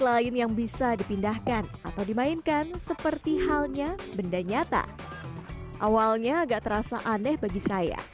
lain yang bisa dipindahkan atau dimainkan seperti halnya benda nyata awalnya agak terasa aneh bagi saya